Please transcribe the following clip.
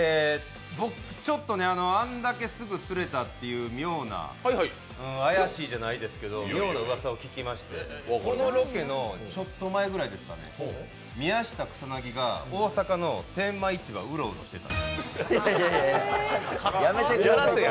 あんだけすぐ釣れたっていう妙な怪しいじゃないですけど、妙なうわさを聞きまして、このロケのちょっと前くらいですかね、宮下草薙が大阪の天満市場うろうろしてた。